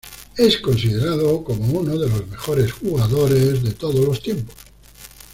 Es considerado como uno de los mejores jugadores de todos los tiempos.